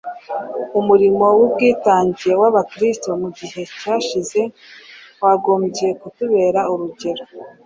Umurimo w’ubwitange w’Abakristo mu gihe cyashize wagombye kutubera urugero